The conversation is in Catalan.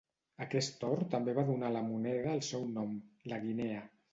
Aquest or també va donar a la moneda el seu nom, la guinea.